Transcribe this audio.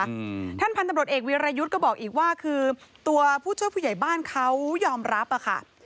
อืมท่านพันธบรวจเอกวีรยุทธ์ก็บอกอีกว่าคือตัวผู้ช่วยผู้ใหญ่บ้านเขายอมรับอ่ะค่ะ